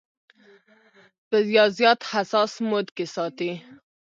يا زيات حساس موډ کښې ساتي -